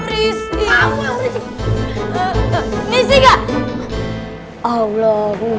bisa ngasih air lah banget